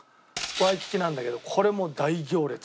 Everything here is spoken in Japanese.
ワイキキなんだけどこれも大行列。